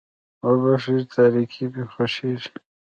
وبښئ تاريکي مې خوښېږي.